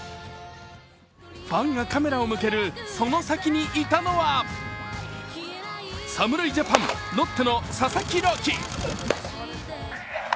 ファンがカメラを向けるその先にいたのは侍ジャパン、ロッテの佐々木朗希。